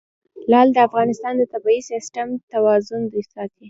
لعل د افغانستان د طبعي سیسټم توازن ساتي.